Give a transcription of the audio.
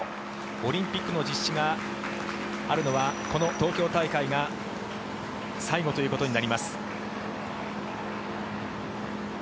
オリンピックの実施があるのはこの東京大会が最後ということになります。